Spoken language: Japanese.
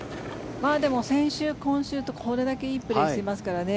先週、今週とこれだけいいプレーをしていますからね。